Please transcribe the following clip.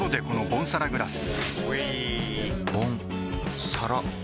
ボンサラグラス！